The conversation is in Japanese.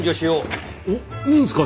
おっいいんすか？